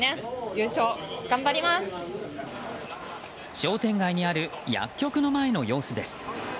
商店街にある薬局の前の様子です。